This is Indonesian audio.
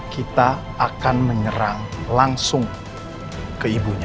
kita akan menyerang langsung ke ibunya